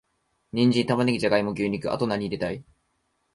ニンジン、玉ネギ、ジャガイモ、牛肉……あと、なに入れたい？